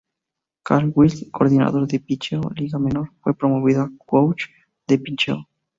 Carl Willis coordinador de pitcheo de Liga Menor, fue promovido a coach de pitcheo.